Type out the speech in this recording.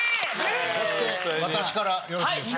そして私からよろしいですか？